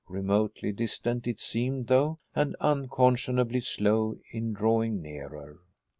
Remotely distant it seemed though, and unconscionably slow in drawing nearer.